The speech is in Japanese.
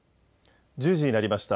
１０時になりました。